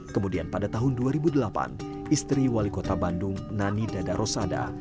kemudian pada tahun dua ribu delapan istri wali kota bandung nani dada rosada